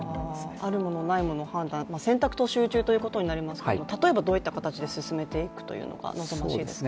あるものないものの判断、選択と集中ということになりますが例えばどういった形で進めていくのが望ましいですか？